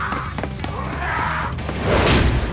おら！